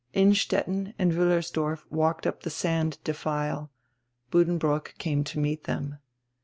Innstetten and Wiillersdorf walked up die sand defile; Bnddenbrook came to meet them.